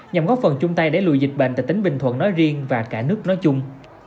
nhằm góp phần chung tay để lùi dịch bệnh tại tỉnh bình thuận nói riêng và cả nước nói chung